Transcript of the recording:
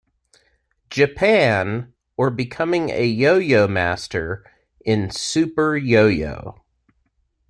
Japan" or becoming a yo-yo master in "Super Yo-Yo".